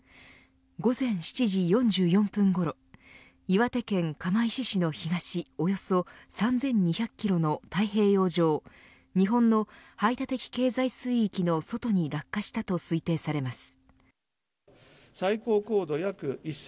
午前７時４４分ごろ岩手県釜石市の東およそ３２００キロの太平洋上日本の排他的経済水域の外に落下したと推定されます。